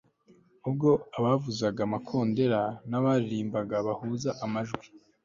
ubwo abavuzaga amakondera n'abaririmbaga bahuza amajwi